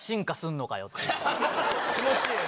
気持ちいい。